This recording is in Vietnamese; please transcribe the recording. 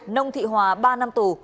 nông thị hòa ba năm tù